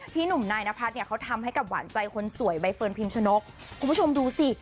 หนุ่มนายนพัฒน์เนี่ยเขาทำให้กับหวานใจคนสวยใบเฟิร์นพิมชนกคุณผู้ชมดูสิ